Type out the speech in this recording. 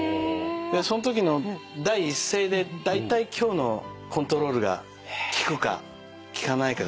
そんときの第一声でだいたい今日のコントロールが利くか利かないかが。